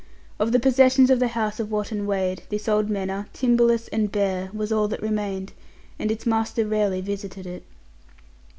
Of the possessions of the House of Wotton Wade, this old manor, timberless and bare, was all that remained, and its master rarely visited it.